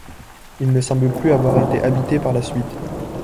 Il ne semble plus avoir été habité par la suite.